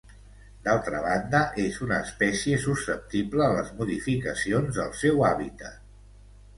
D'altra banda, és una espècie susceptible a les modificacions del seu hàbitat.